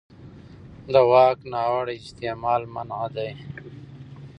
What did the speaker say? د واک ناوړه استعمال منع دی.